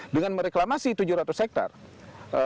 dengan mereklamasi tujuh ratus hektare